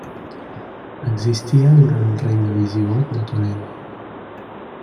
Existia durant el regne visigot de Toledo.